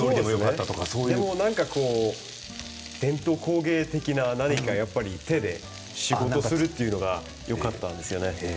何か伝統工芸的な手で仕事をするというのがよかったんです。